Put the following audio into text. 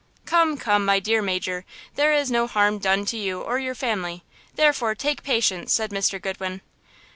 "Come, come, my dear major, there is no harm done to you or your family; therefore, take patience!" said Mr. Goodwin.